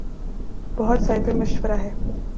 بہت صائب مشورہ ہے۔